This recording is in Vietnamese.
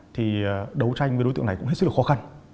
thì đấu tranh với đối tượng này cũng rất là khó khăn